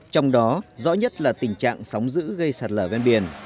trong đó rõ nhất là tình trạng sóng giữ gây sạt lở ven biển